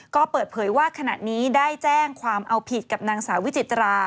ก็เปิดเผยว่าขณะนี้ได้แจ้งความเอาผิดกับนางสาววิจิตรา